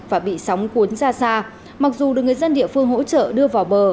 và bị sóng cuốn ra xa mặc dù được người dân địa phương hỗ trợ đưa vào bờ